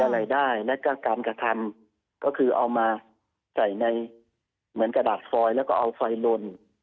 อะไรได้แล้วก็การกระทำก็คือเอามาใส่ในเหมือนกระดาษฟอยแล้วก็เอาไฟลน